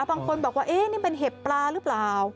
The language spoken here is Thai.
บางคนบอกว่านี่เป็นเห็บปลาหรือเปล่า